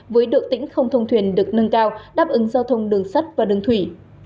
với độ tĩnh không thông thuyền được nâng cao đáp ứng giao thông đường sắt và đường thủy